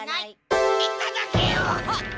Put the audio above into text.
いただけよ！